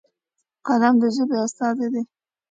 قلم د ژبې استازی دی.